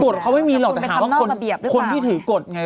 ฎเขาไม่มีหรอกแต่ถามว่าคนที่ถือกฎไง